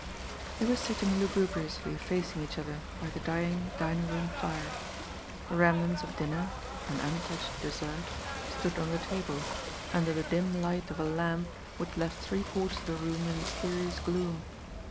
They were sitting lugubriously facing each other by the dying dining room fire. The remnants of dinner — an un touched dessert — stood on the table, under the dim light of a lamp which left three quarters of the room in mysterious gloom.